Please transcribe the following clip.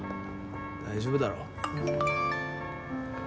大丈夫だろ。